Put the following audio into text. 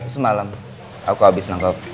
semalam aku habis nangkep